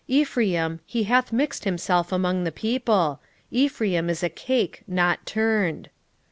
7:8 Ephraim, he hath mixed himself among the people; Ephraim is a cake not turned.